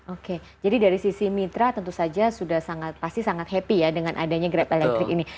oke jadi dari sisi mitra tentu saja sudah sangat pasti sangat happy ya dengan adanya grab elektrik ini